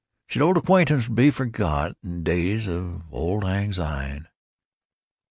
Should auld acquaintance be forgot, And days o' lang syne?